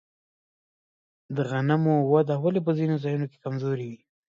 د غنمو وده ولې په ځینو ځایونو کې کمزورې وي؟